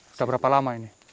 sudah berapa lama ini